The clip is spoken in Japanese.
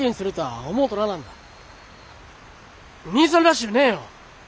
兄さんらしゅうねえよ。